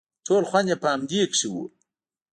ټول خوند يې په همدې کښې و.